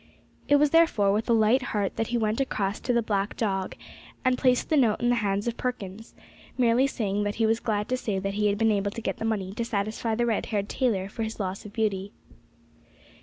It was therefore with a light heart that he went across to the Black Dog and placed the note in the hands of Perkins, merely saying that he was glad to say that he had been able to get the money to satisfy the red haired tailor for his loss of beauty.